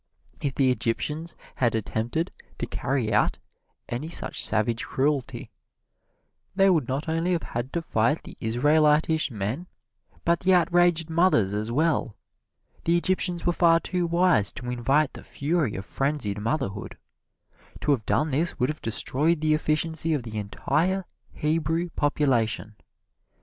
If the Egyptians had attempted to carry out any such savage cruelty, they would not only have had to fight the Israelitish men, but the outraged mothers as well. The Egyptians were far too wise to invite the fury of frenzied motherhood. To have done this would have destroyed the efficiency of the entire Hebrew population.